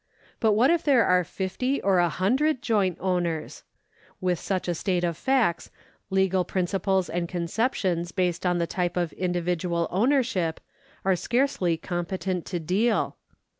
But what if there are fifty or a hundred joint owners ? With such a state of facts legal principles and conceptions based on the type of individual ownership are scarcely competent to deal.